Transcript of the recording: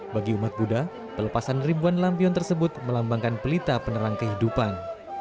bagi umat buddha pelepasan ribuan lampion tersebut melambangkan pelita penerang kehidupan